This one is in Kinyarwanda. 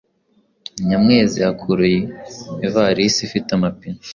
Nyamwezi akuruye ivarisi ifite amapine,